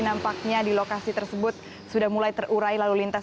nampaknya di lokasi tersebut sudah mulai terurai lalu lintas